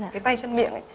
cái tay chân miệng